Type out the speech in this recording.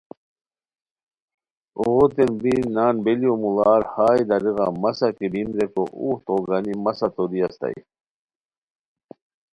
اوغوتین بی نان بیلیو موڑار ہائے دریغہ مسہ کی بیم ریکو اوغ تو گانی مسہ توری استائے